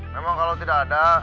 memang kalau tidak ada